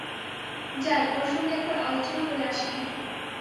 যাই, ওঁর সঙ্গে একবার আলোচনা করে আসিগে।